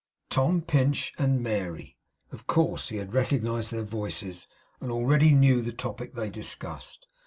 Tom Pinch and Mary. Of course. He had recognized their voices, and already knew the topic they discussed.